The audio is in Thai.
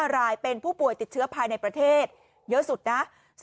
๕รายเป็นผู้ป่วยติดเชื้อภายในประเทศเยอะสุดนะ